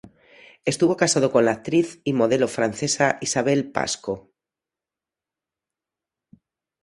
Estuvo casado con la actriz y modelo francesa Isabelle Pasco.